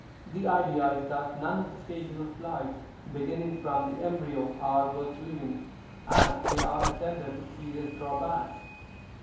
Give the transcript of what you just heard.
[The idea is that none of the stages of life, beginning from the embryo, are worth living, as they are attended with serious drawbacks.